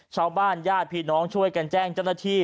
ญาติพี่น้องช่วยกันแจ้งเจ้าหน้าที่